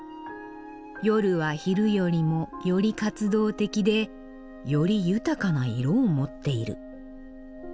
「夜は昼よりもより活動的でより豊かな色を持っている」。